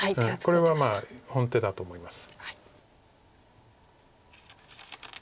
これは本手だと思います。